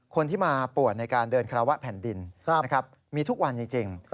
คนที่มาปวดในการเดินคาราวะแผ่นดินมีทุกวันจริง